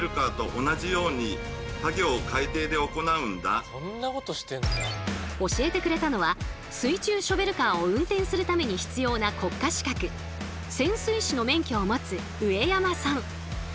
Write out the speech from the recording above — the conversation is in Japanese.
この重機を使って教えてくれたのは水中ショベルカーを運転するために必要な国家資格潜水士の免許を持つ上山さん。